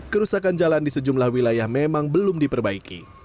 kerusakan jalan di sejumlah wilayah memang belum diperbaiki